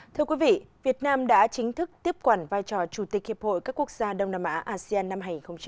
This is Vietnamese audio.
thưa quý vị việt nam đã chính thức tiếp quản vai trò chủ tịch hiệp hội các quốc gia đông nam á asean năm hai nghìn hai mươi